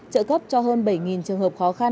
trợ cấp cho hơn bảy trường hợp khó khăn